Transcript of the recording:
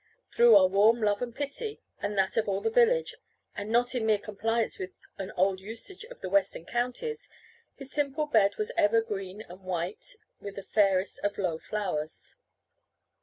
Through our warm love and pity, and that of all the village, and not in mere compliance with an old usage of the western counties, his simple bed was ever green and white with the fairest of low flowers.